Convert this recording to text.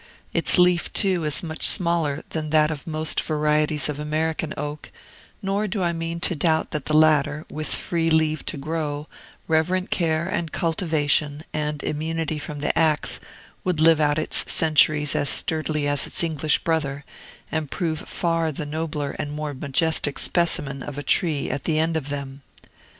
Its leaf, too, is much smaller than that of most varieties of American oak; nor do I mean to doubt that the latter, with free leave to grow, reverent care and cultivation, and immunity from the axe, would live out its centuries as sturdily as its English brother, and prove far the nobler and more majestic specimen of a tree at the end of them.